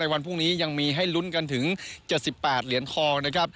วันพรุ่งนี้ยังมีให้ลุ้นกันถึง๗๘เหรียญทองนะครับ